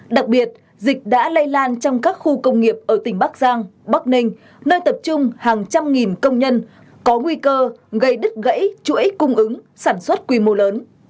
đặc biệt dịch đã lây lan trong các khu công nghiệp ở tỉnh bắc giang bắc ninh nơi tập trung hàng trăm nghìn công nhân có nguy cơ gây đứt gãy chuỗi cung ứng sản xuất quy mô lớn